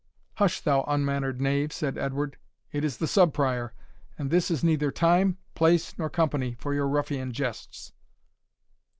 "Hush, thou unmannered knave," said Edward, "it is the Sub Prior; and this is neither time, place, nor company, for your ruffian jests."